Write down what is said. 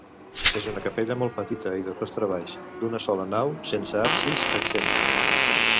És una capella molt petita i de sostre baix, d'una sola nau sense absis exempt.